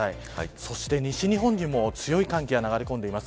そして、西日本にもものすごい寒気が流れ込んでいます。